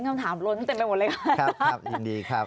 คำถามร้อนเต็มไปหมดเลยค่ะ